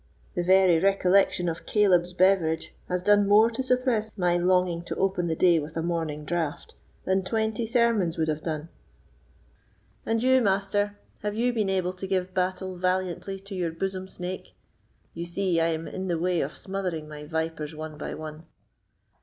The very recollection of Caleb's beverage has done more to suppress my longing to open the day with a morning draught than twenty sermons would have done. And you, master, have you been able to give battle valiantly to your bosom snake? You see I am in the way of smothering my vipers one by one."